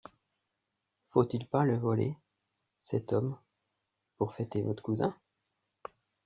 Faut-il pas le voler, cet homme, pour fêter votre cousin?